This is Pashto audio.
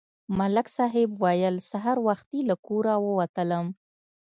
ملک صاحب ویل: سهار وختي له کوره ووتلم.